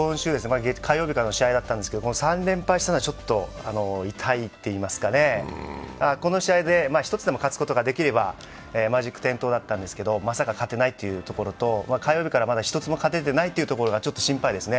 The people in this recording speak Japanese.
３連敗したのは、ちょっと痛いといいますかね、この試合で１つでも勝つことができればマジック点灯だったんですけど、まさか勝てないというところと、火曜日からまだ１つも勝ててないところが心配ですね。